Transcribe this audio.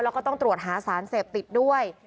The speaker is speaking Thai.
แล้วก็ต้องตรวจหาสารเสพติดด้วย